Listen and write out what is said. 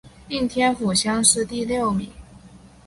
应天府乡试第六名。